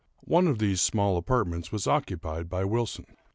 One of these small apartments was occupied by Wilson.